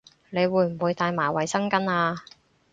你會唔會帶埋衛生巾吖